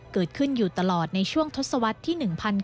เกิดขึ้นอยู่ตลอดในช่วงทศวรรษที่๑๕